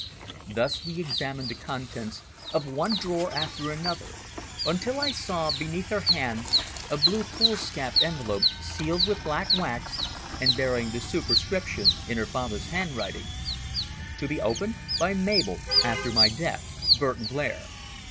Thus we examined the contents of one drawer after another until I saw beneath her hand a blue foolscap envelope sealed with black wax, and bearing the superscription in her father's handwriting: "To be opened by Mabel after my death. Burton Blair."